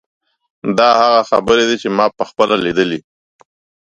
دا هغه خبرې دي چې ما په خپله لیدلې.